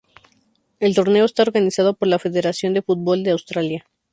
El torneo está organizado por la Federación de Fútbol de Australia.